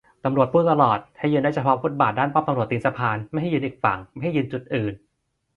ตำรวจพูดตลอดให้ยืนได้เฉพาะฟุตบาทด้านป้อมตำรวจตีนสะพาน ไม่ให้ยืนอีกฝั่ง ไม่ให้ยืนจุดอื่น